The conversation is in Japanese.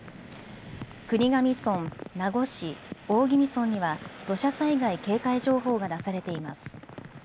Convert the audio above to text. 国頭村、名護市、大宜味村には土砂災害警戒情報が出されています。